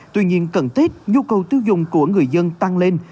tuy nhiên cần thiết nhu cầu tiêu dùng của người dân tăng lên